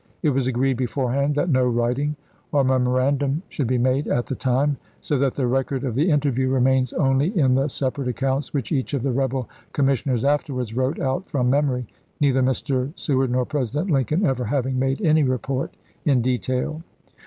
It was agreed beforehand that no writing or memo randum should be made at the time, so that the record of the interview remains only in the sepa rate accounts which each of the rebel commis sioners afterwards wrote out from memory, neither Mr. Seward nor President Lincoln ever having made any report in detail.